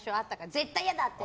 絶対、嫌だ！って。